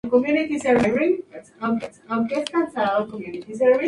Dependiendo del sistema de reservas se almacenan diferentes datos.